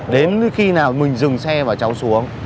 đến khi nào mình dừng xe và cháu xuống